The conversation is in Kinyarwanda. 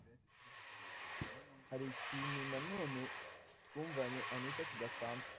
hari ikintu nanone twumvanye anita kidasanzwe